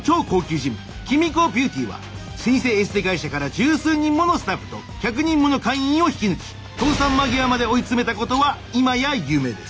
ジムキミコ・ビューティーは老舗エステ会社から十数人ものスタッフと１００人もの会員を引き抜き倒産間際まで追い詰めたことは今や有名です。